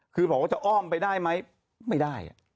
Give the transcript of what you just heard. คือบอกว่าจะอ้อมไปได้ไหมไม่ได้